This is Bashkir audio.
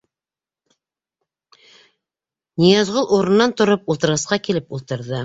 — Ныязғол, урынынан тороп, ултырғысҡа килеп ултырҙы.